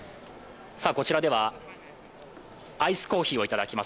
こちらではアイスコーヒーをいただきます。